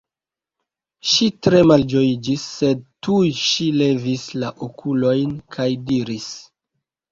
Ŝi tre malĝojiĝis, sed tuj ŝi levis la okulojn kaj diris: